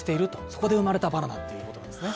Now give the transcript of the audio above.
そこで生まれたバナナということですね。